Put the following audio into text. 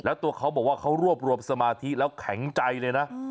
แล้วตัวเขาบอกว่าเขารวบรวมสมาธิแล้วแข็งใจเลยนะ